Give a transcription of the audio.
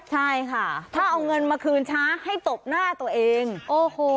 ใช่ค่ะถ้าเอาเงินมาคืนช้าให้ตบหน้าตัวเองโอ้โห